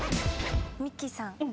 ミキさん。